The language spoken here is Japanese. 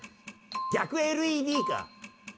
「逆ＬＥＤか！」